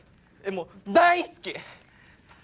もう大好き！